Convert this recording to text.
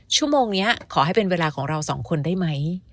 ชั่วโมงนี้ขอให้เป็นเวลาของเราสองคนได้ไหม